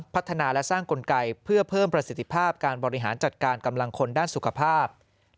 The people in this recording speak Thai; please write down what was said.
พัฒนาและสร้างกลไกเพื่อเพิ่มประสิทธิภาพการบริหารจัดการกำลังคนด้านสุขภาพ